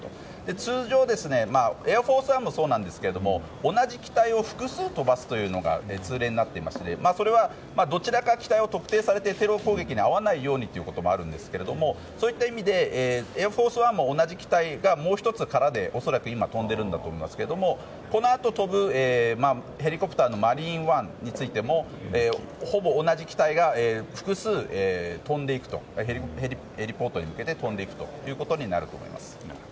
通常、「エアフォースワン」もそうなんですが同じ機体を複数飛ばすというのが通例になっていましてそれは機体を特定されてテロ攻撃に遭わないようにということもあるんですが、そういった意味で「エアフォースワン」も同じ機体がもう１つ、空で恐らく飛んでいるんだと思いますけどこのあと飛ぶヘリコプターの「マリーンワン」についてもほぼ同じ機体が複数ヘリポートに向けて飛んでいくということになると思います。